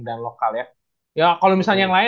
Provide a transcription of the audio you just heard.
dan lokal ya ya kalau misalnya